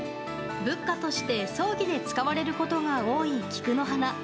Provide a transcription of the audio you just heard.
仏花として葬儀で使われることが多い菊の花。